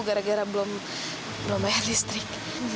gara gara belum bayar listrik